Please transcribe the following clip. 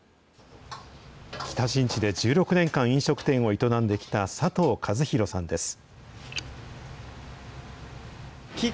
北新地で１６年間、飲食店を営んできた佐藤和博さんです。